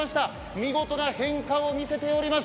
見事な変化を見せております。